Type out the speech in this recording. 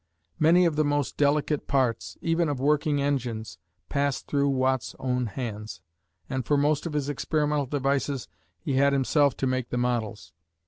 Many of the most delicate parts, even of working engines, passed through Watt's own hands, and for most of his experimental devices he had himself to make the models.